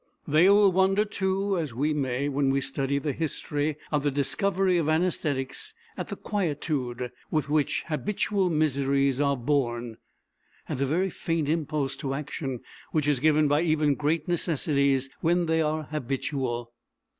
They will wonder, too, as we may, when we study the history of the discovery of anæsthetics, at the quietude with which habitual miseries are borne; at the very faint impulse to action which is given by even great necessities when they are habitual.